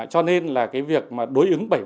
cho nên là cái việc tổ chức khoa học công nghệ